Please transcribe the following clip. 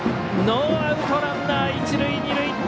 ノーアウト、ランナー、一塁二塁。